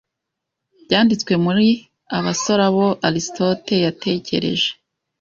Byanditswe muri Abasore abo Aristote yatekereje